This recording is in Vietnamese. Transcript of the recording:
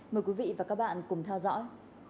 mời quý vị và các bạn cùng theo dõi